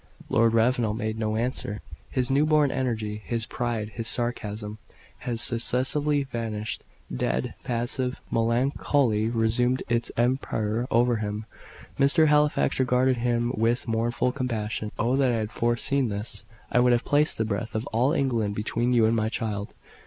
Lord Ravenel made no answer. His new born energy, his pride, his sarcasm, had successively vanished; dead, passive melancholy resumed its empire over him. Mr. Halifax regarded him with mournful compassion. "Oh, that I had foreseen this! I would have placed the breadth of all England between you and my child."